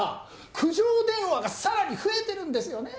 苦情電話がさらに増えてるんですよね。